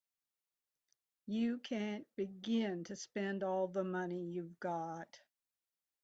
You can't begin to spend all the money you've got.